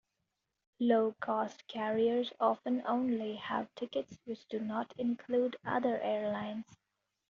Low-cost carriers often only have tickets which do not include other airlines.